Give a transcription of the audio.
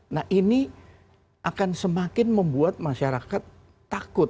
nah ini akan semakin membuat masyarakat takut